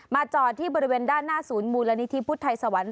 จอดที่บริเวณด้านหน้าศูนย์มูลนิธิพุทธไทยสวรรค์